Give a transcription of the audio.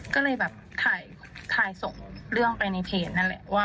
ก็เลยแบบถ่ายส่งเรื่องไปในเพจนั่นแหละว่า